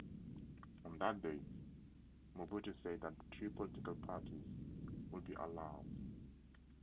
On that date, Mobutu said that three political parties would be allowed.